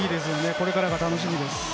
これからが楽しみです。